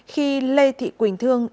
khi lê thị quỳnh thương